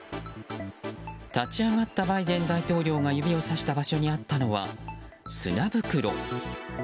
立ち上がったバイデン大統領が指をさした場所にあったのは砂袋。